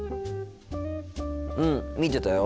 うん見てたよ。